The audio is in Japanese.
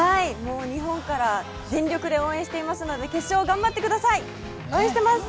日本から全力で応援していますので決勝頑張ってください、応援してます！